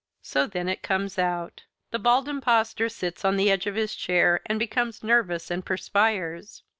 So then it comes out. The Bald Impostor sits on the edge of his chair and becomes nervous and perspires.